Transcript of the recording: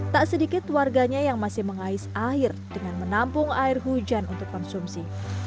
tak sedikit warganya yang masih mengais air dengan menampung air hujan untuk konsumsi